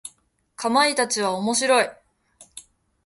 かまいたちは面白い。